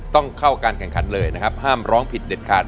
ต้องเข้าการแข่งขันเลยนะครับห้ามร้องผิดเด็ดขาด